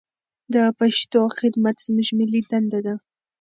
د پښتو خدمت زموږ ملي دنده ده.